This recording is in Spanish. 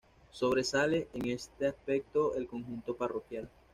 Sobresale en este aspecto el conjunto parroquial.